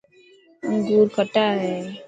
انوگور کٽا هي.